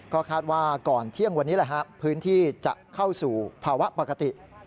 ก็คาดว่าก่อนเที่ยงวันนี้แหละฮะพื้นที่จะเข้าสู่ภาวะปกติ